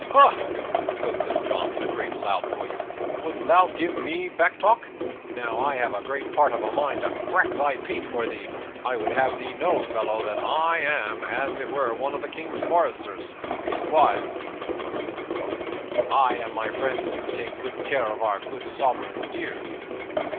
"Ha!" quoth Little John in a great loud voice, "wouldst thou give me backtalk? Now I have a great part of a mind to crack thy pate for thee. I would have thee know, fellow, that I am, as it were, one of the King's foresters. Leastwise," muttered he to himself, "I and my friends do take good care of our good sovereign's deer."